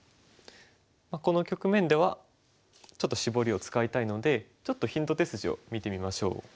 この局面ではちょっとシボリを使いたいのでちょっとヒント手筋を見てみましょう。